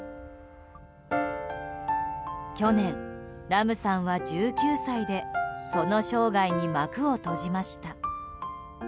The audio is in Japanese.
去年、ラムさんは１９歳でその生涯に幕を閉じました。